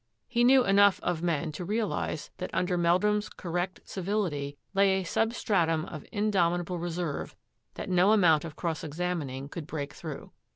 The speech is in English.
He knew enough of men to realise that under Meldrum's correct civil ity lay a substratum of indomitable reserve that no amount of cross examining could break through.